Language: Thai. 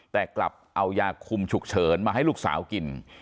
แต่กลับเอายาคุมฉุกเฉินมาให้ลูกสาวกิน